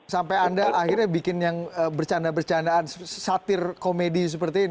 sampai anda akhirnya bikin yang bercanda bercandaan satir komedi seperti ini